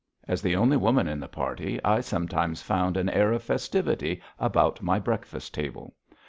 As the only woman in the party, I sometimes found an air of festivity about my breakfast table.